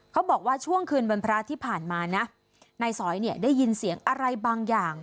เขาบอกว่าช่วงคืนวันพระที่ผ่านมานะนายสอยเนี่ยได้ยินเสียงอะไรบางอย่าง